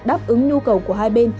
đáp ứng nhu cầu của hai bên